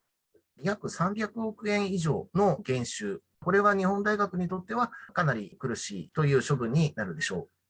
約３００億円以上の減収、これは日本大学にとっては、かなり苦しいという処分になるでしょう。